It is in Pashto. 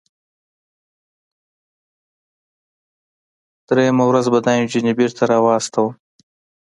دریم روز به دا نجونې بیرته راواستوم.